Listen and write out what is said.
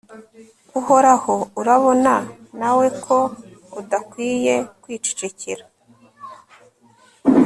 uhoraho, urabona nawe ko udakwiye kwicecekera